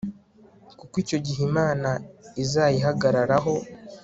kuko icyo gihe imana izayihagararaho